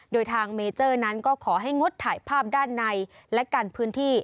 โดยทางเมเจอร์นั้นก็ขอให้งดถ่ายภาพด้านในและกันพื้นที่